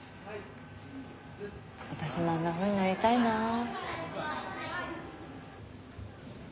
私もあんなふうになりたいなあ。